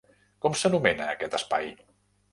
Com s'anomena aquest espai?